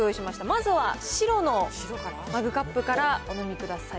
まずは白のマグカップからお飲みください。